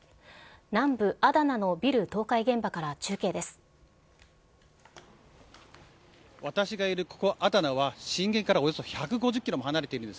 南部アダナのビル倒壊現場から中継です。